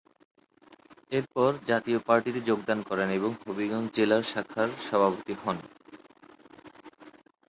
এরপর জাতীয় পার্টিতে যোগদান করেন এবং হবিগঞ্জ জেলার শাখার সভাপতি হন।